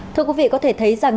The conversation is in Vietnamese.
thưa quý vị có thể thấy rằng